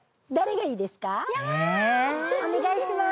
お願いします。